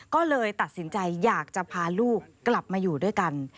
ก็เลยตัดสินใจอยากจะพาลูกกลับมาอยู่ด้วยกัน